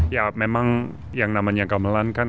ya memang yang namanya gamelan kan